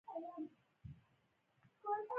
مجاهد د اخلاص یو ژوندی مثال وي.